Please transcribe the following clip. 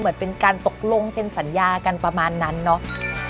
เหมือนเป็นการตกลงเซ็นสัญญากันประมาณนั้นเนาะ